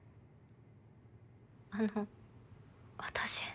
あの私。